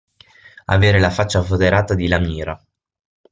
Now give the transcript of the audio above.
Avere la faccia foderata di lamiera.